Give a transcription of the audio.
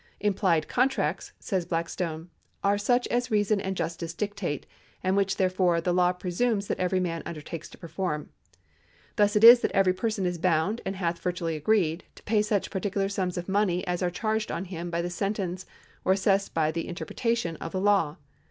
^" Implied [contracts]," says Black stone, ^" are such as reason and justice dictate, and which, therefore, the law presumes that every man undertakes to perform." " Thus it is that every person is bound, and hath virtually agreed, to pay such particular sums of money as are charged on him by the sentence, or assessed by the interpreta tion, of the law."